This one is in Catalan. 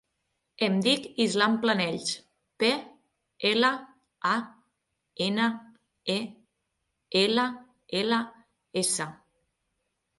Em dic Islam Planells: pe, ela, a, ena, e, ela, ela, essa.